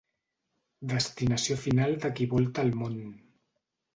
Destinació final de qui volta el món.